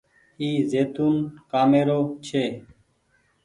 اي زيتونٚ ڪآمي رو ڇي۔